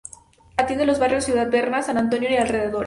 Atiende los barrios Ciudad Berna, San Antonio y alrededores.